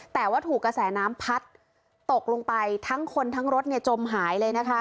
แต่ว่าถูกกระแสน้ำพัดตกลงไปทั้งคนทั้งรถจมหายเลยนะคะ